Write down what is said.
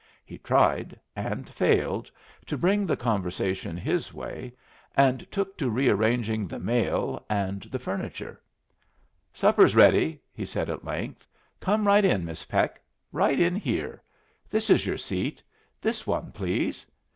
He tried, and failed, to bring the conversation his way, and took to rearranging the mail and the furniture. "Supper's ready," he said, at length. "Come right in, Miss Peck; right in here. This is your seat this one, please.